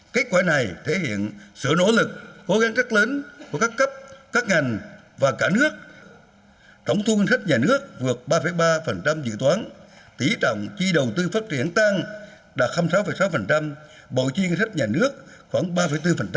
kết quả này thể hiện sự nỗ lực cố gắng rất lớn của các cấp